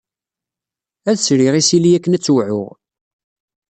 Ad sriɣ isili akken ad tt-wɛuɣ.